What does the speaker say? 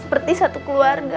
seperti satu keluarga